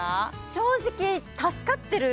正直助かってる瞬間